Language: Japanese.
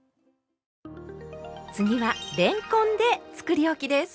次はれんこんでつくりおきです。